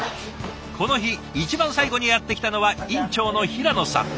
この日一番最後にやって来たのは院長の平野さん。